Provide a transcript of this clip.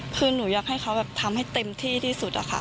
คือหนูอยากให้เขาแบบทำให้เต็มที่ที่สุดอะค่ะ